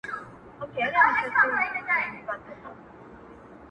انقلابي نامي نن په نسه کي ډوب و;